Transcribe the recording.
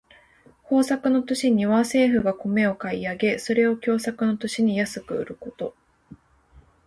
豊作の年には政府が米を買い上げ、それを凶作の年に安く売ること。